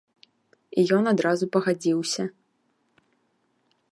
І ён адразу пагадзіўся.